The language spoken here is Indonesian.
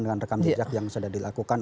dengan rekam jejak yang sudah dilakukan